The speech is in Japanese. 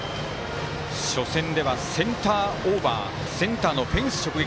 初戦ではセンターオーバーセンターのフェンス直撃。